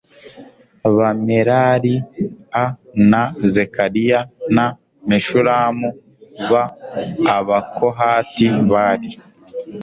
bamerari a na zekariya na meshulamu b abakohati bari